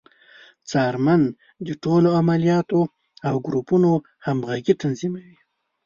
څارمن د ټولو عملیاتو او ګروپونو همغږي تضمینوي.